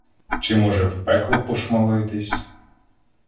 Чи, може, в пекло пошмалитись